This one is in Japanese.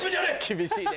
厳しいね。